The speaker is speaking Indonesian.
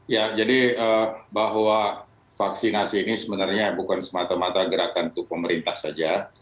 ya jadi bahwa vaksinasi ini sebenarnya bukan semata mata gerakan untuk pemerintah saja